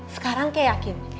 sekarang kay yakin